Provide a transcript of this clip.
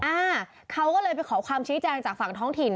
อ่าเขาก็เลยไปขอความชี้แจงจากฝั่งท้องถิ่น